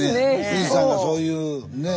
富士山がそういうねえ？